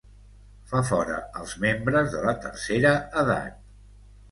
Fa fora els membres de la tercera edat.